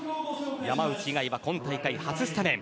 山内以外は今大会初スタメン。